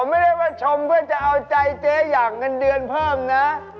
ไม่ได้ว่าชมเพื่อจะเอาใจเจ๊อยากเงินเดือนเพิ่มนะ